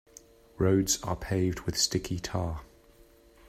Roads are paved with sticky tar.